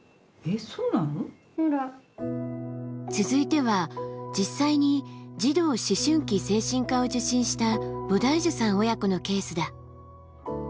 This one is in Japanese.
続いては実際に児童・思春期精神科を受診したボダイジュさん親子のケースだ。